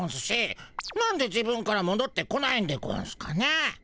なんで自分からもどってこないんでゴンスかねえ。